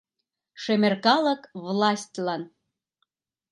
Шемер калык властьлан